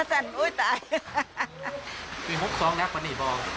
สมัยยายเขา